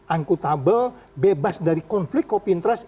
angkutabel bebas dari konflik kopi interest